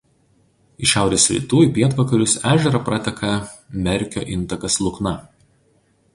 Iš šiaurės rytų į pietvakarius ežerą prateka Merkio intakas Lukna.